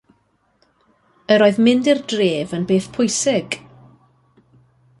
Yr oedd mynd i'r dref yn beth pwysig.